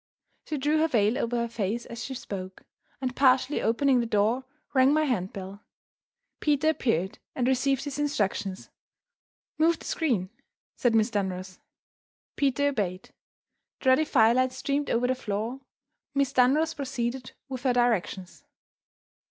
She drew her veil over her face as she spoke, and, partially opening the door, rang my handbell. Peter appeared, and received his instructions. "Move the screen," said Miss Dunross. Peter obeyed; the ruddy firelight streamed over the floor. Miss Dunross proceeded with her directions.